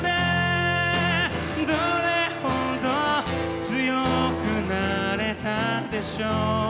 「どれほど強くなれたでしょう」